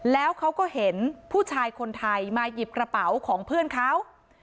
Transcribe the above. แล้วเขาก็เห็นผู้ชายคนไทยมาหยิบกระเป๋าของเพื่อนเขา